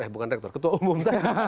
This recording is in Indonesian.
eh bukan rektor ketua umum